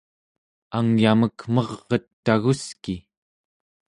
angyamek mer'et taguski!